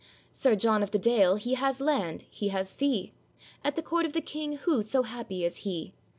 Sir John of the Dale he has land, he has fee, At the court of the king who so happy as he?